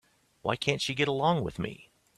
Why can't she get along with me?